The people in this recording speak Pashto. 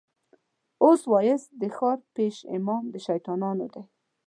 اوس واعظ د ښار پېش امام د شيطانانو دی